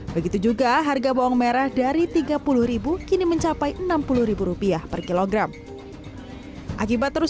begitu juga harga bawang merah dari tiga puluh kini mencapai enam puluh rupiah per kilogram akibat terus